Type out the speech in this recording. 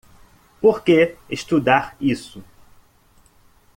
Por que estudar isso?